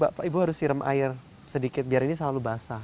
bapak ibu harus sirem air sedikit biar ini selalu basah